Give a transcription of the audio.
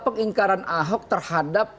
pengingkaran ahok terhadap